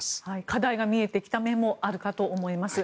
課題が見えてきた面もあるかと思います。